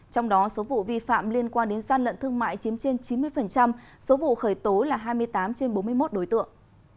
trong đó số vụ vi phạm liên quan đến gian lận thương mại chiếm trên chín mươi số vụ khởi tố là hai mươi tám trên bốn mươi một đối tượng